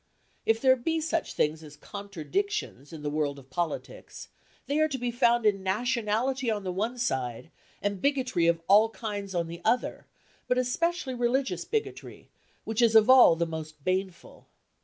If there be such things as contradictions in the world of politics, they are to be found in nationality on the one side, and bigotry of all kinds on the other, but especially religious bigotry, which is of all the most baneful.